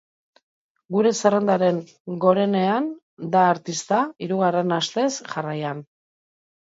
Gure zerrendaren gorenean da artista, hirugarren astez jarraian.